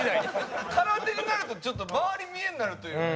空手になるとちょっと周り見えんなるというか。